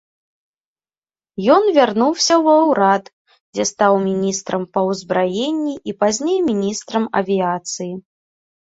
Ён вярнуўся ва ўрад, дзе стаў міністрам па ўзбраенні і пазней міністрам авіяцыі.